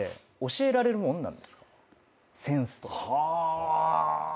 はあ。